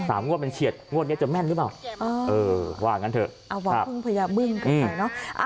งวดมันเฉียดงวดเนี้ยจะแม่นหรือเปล่าเออว่างั้นเถอะเอามาพึ่งพญาบึ้งกันไปเนอะ